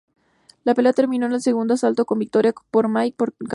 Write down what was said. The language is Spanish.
La pelea terminó en el segundo asalto con victoria para Mike por nocaut.